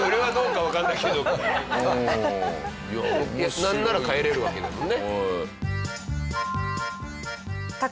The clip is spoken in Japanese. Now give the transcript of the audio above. なんなら帰れるわけだもんね。